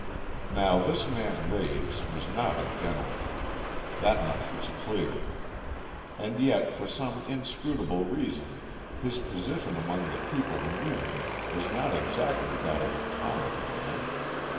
Now this man Raves was not a "gentleman." That much was clear. And yet, for some inscrutable reason, his position among the people who knew him was not exactly that of a common man.